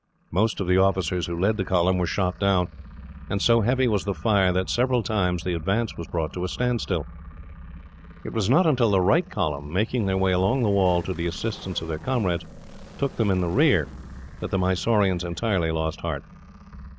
Most of the officers who led the column were shot down, and so heavy was the fire that, several times, the advance was brought to a standstill. It was not until the right column, making their way along the wall to the assistance of their comrades, took them in the rear, that the Mysoreans entirely lost heart.